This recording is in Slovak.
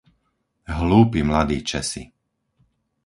Hlúpi mladí Česi!